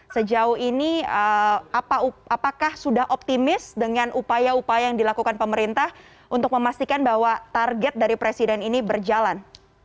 sejauh ini apakah sudah optimis dengan upaya upaya yang dilakukan pemerintah untuk memastikan bahwa target dari presiden ini berjalan